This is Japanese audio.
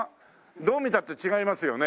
どう見たって違いますよね？